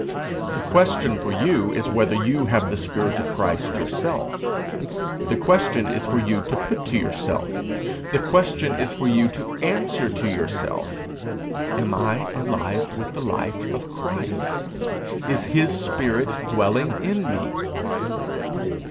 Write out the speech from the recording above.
The question for you is whether you have the spirit of Christ yourself. The question is for you to put to yourself, the question is for you to answer to yourself: Am I alive with the life of Christ? Is his spirit dwelling in me?